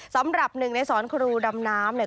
สำหรับหนึ่งในสอนครูดำน้ำเนี่ย